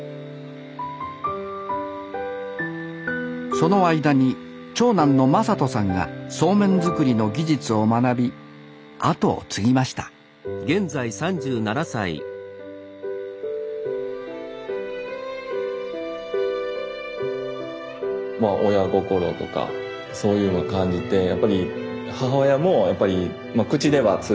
その間に長男の政人さんがそうめん作りの技術を学び後を継ぎましたまあ親心とかそういうのを感じてやっぱり母親もやっぱり口では「継がなくてもいい」。